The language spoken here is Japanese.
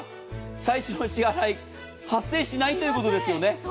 最初の支払い発生しないということですよね。